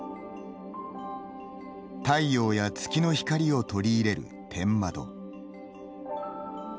太陽や月の光を取り入れる天窓。